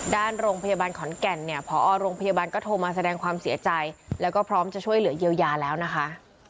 โรงพยาบาลขอนแก่นเนี่ยพอโรงพยาบาลก็โทรมาแสดงความเสียใจแล้วก็พร้อมจะช่วยเหลือเยียวยาแล้วนะคะ